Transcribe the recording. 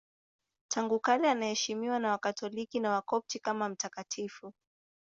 Tangu kale anaheshimiwa na Wakatoliki na Wakopti kama mtakatifu.